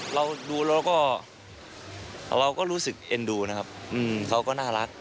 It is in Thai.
เราดูแล้วก็เราก็รู้สึกเอ็นดูนะครับเขาก็น่ารัก